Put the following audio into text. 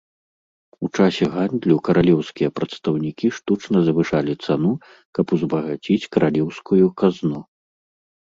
У часе гандлю каралеўскія прадстаўнікі штучна завышалі цану, каб узбагаціць каралеўскую казну.